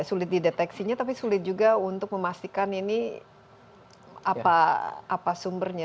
sulit dideteksinya tapi sulit juga untuk memastikan ini apa sumbernya